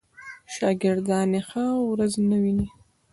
شاګردان یې ښه ورځ نه ویني.